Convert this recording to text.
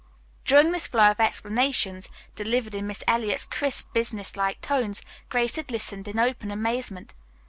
During this flow of explanations, delivered in Miss Eliot's crisp, business like tones, Grace had listened in open amazement.